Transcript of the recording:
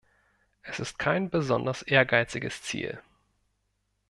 Es ist kein besonders ehrgeiziges Ziel.